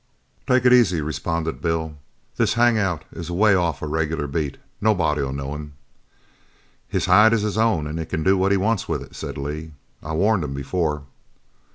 "Take it easy," responded Bill. "This hangout is away off our regular beat. Nobody'll know him." "His hide is his own and he can do what he wants with it," said Lee. "I warned him before."